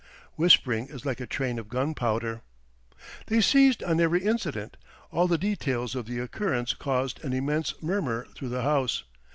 Whispering is like a train of gunpowder. They seized on every incident. All the details of the occurrence caused an immense murmur through the House.